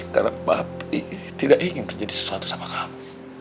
karena papi tidak ingin terjadi sesuatu sama kamu